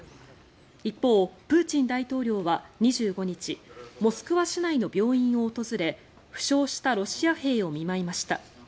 一方、プーチン大統領は２５日モスクワ市内の病院を訪れ負傷したロシア兵を見舞いました。